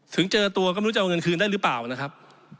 ถึงเจอตัวก็ไม่รู้จะเอาเงินคืนได้หรือเปล่านะครับ